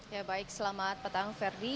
ya baik selamat petang ferdi